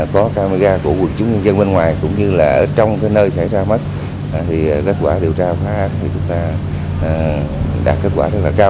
có camera của quận chủ nhân dân bên ngoài cũng như là ở trong cái nơi xảy ra mất thì kết quả điều tra khá hạn thì chúng ta đạt kết quả rất là cao